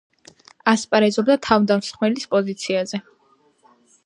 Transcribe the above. ასპარეზობდა თავდამსხმელის პოზიციაზე.